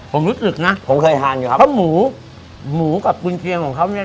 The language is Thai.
ผมรู้สึกอึกนะผมเคยทานอยู่ครับเพราะหมูหมูกับกุญเคียงของเขาเนี้ย